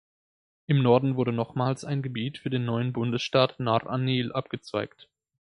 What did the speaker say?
Im Norden wurde nochmals ein Gebiet für den neuen Bundesstaat Nahr an-Nil abgezweigt.